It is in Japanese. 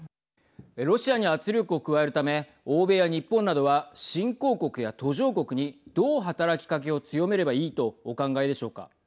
ロシアに圧力を加えるため欧米や日本などは新興国や途上国にどう働きかけを強めればいいとお考えでしょうか。